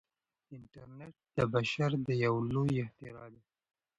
انټرنیټ د بشر یو لوی اختراع دی.